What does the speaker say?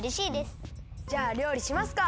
じゃありょうりしますか！